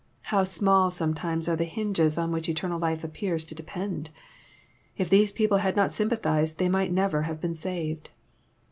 How small some times are the hinges on which eternal life appears to depend I If these people had not sympathized they might never have been saved.